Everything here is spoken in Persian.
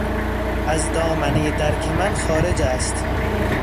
از دامنهی درک من خارج است.